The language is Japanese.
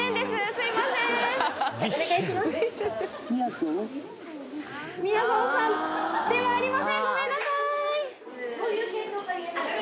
すいませんみやぞんさんではありませんごめんなさい